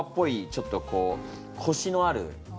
ちょっとこうコシのある。